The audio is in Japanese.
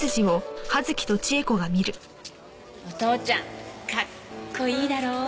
お父ちゃんかっこいいだろう？